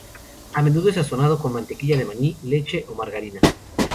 A menudo es sazonado con mantequilla de maní, leche o margarina.